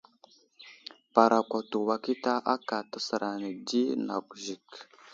Parakwato wakita aka təsər ane di nakw Zik.